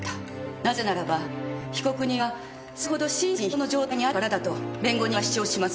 なぜならば被告人はそれほど心身疲労の状態にあったからだと弁護人は主張します。